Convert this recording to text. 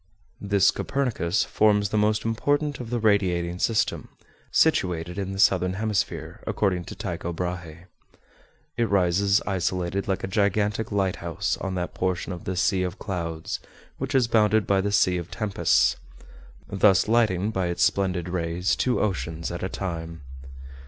This Copernicus forms the most important of the radiating system, situated in the southern hemisphere, according to Tycho Brahé. It rises isolated like a gigantic lighthouse on that portion of the "Sea of Clouds," which is bounded by the "Sea of Tempests," thus lighting by its splendid rays two oceans at a time.